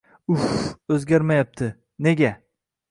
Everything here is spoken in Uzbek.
Uff, o‘zgarmayapti. Nega?